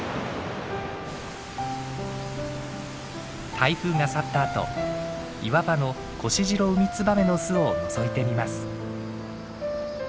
台風が去ったあと岩場のコシジロウミツバメの巣をのぞいてみます。